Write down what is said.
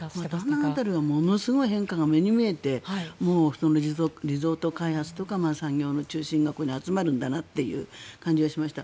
ダナン辺りがものすごい変化が目に見えてリゾート開発とか産業の中心がここに集まるんだなという感じがしました。